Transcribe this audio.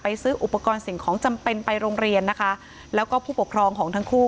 ซื้ออุปกรณ์สิ่งของจำเป็นไปโรงเรียนนะคะแล้วก็ผู้ปกครองของทั้งคู่